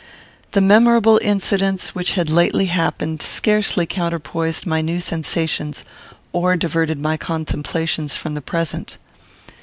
The memorable incidents which had lately happened scarcely counterpoised my new sensations or diverted my contemplations from the present.